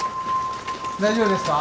大丈夫ですか？